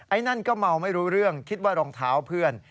ไอ้นั่นก็เมาไม่รู้เรื่องคิดว่ารองเท้าเพื่อน